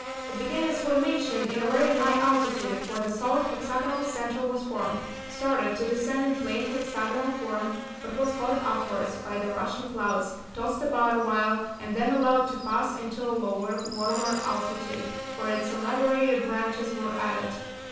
It began its formation in a very high altitude, where the solid, hexagonal centre was formed, started to descend in plain hexagonal form, but was caught upwards by the rushing clouds, tossed about awhile, and then allowed to pass into a lower, warmer altitude where its elaborated branches were added.